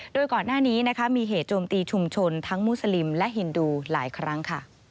โดยก่อนหน้านี้มีเหตุโจมตีชุมชนทั้งมุสลิมและฮินดูหลายครั้ง